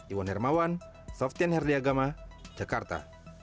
iwan hermawan softian herdiagama jakarta